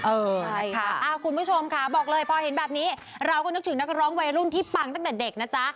ใช่ค่ะคุณผู้ชมค่ะบอกเลยพอเห็นแบบนี้เราก็นึกถึงนักร้องวัยรุ่นที่ปังตั้งแต่เด็กนะจ๊ะ